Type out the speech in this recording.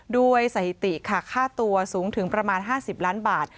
สถิติค่ะค่าตัวสูงถึงประมาณ๕๐ล้านบาท